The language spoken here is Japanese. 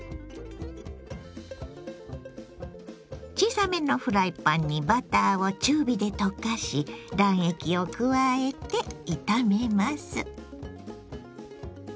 小さめのフライパンにバターを中火で溶かし卵液を加えて炒めます。